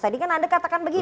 tadi kan anda katakan begini